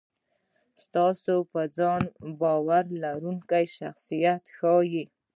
ستاسې په ځان باور لرونکی شخصیت ښي.